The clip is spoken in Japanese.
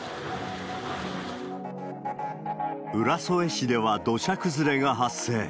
浦添市では土砂崩れが発生。